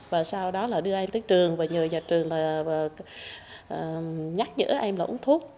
và sau đó là đưa em tới trường và nhờ nhà trường là nhắc nhở em là uống thuốc